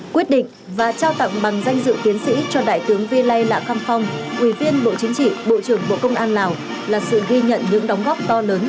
quyết định và trao tặng bằng danh dự tiến sĩ cho đại tướng vi lây lạ khăm phong ủy viên bộ chính trị bộ trưởng bộ công an lào là sự ghi nhận những đóng góp to lớn